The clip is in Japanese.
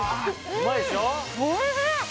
うまいでしょ？